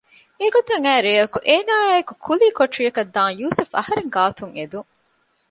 އެގޮތަށް އައި ރެޔަކު އޭނާއާއިއެކު ކުލީ ކޮޓަރިއަކަށް ދާން ޔޫސުފް އަހަރެން ގާތުން އެދުން